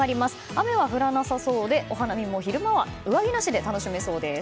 雨は降らなさそうでお花見も昼間は上着なしで楽しめそうです。